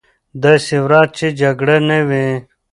داسې ورځ چې جګړه نه وي.